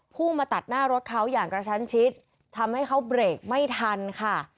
พุ่งมาตัดหน้ารถเขาอย่างกระชั้นชิดทำให้เขาเบรกไม่ทันค่ะ